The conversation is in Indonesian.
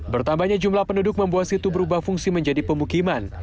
bertambahnya jumlah penduduk membuat situ berubah fungsi menjadi pemukiman